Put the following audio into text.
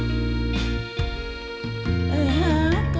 สร้างเพลงผิดเลยได้ไหมครับ